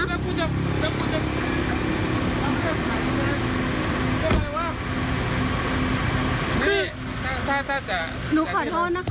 หนูขอโทษนะคะ